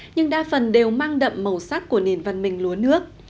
nhưng đa phần đều mang đậm màu sắc của nền văn minh lúa nước